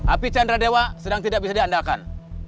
api candradewa sedang tidak bisa diandalkan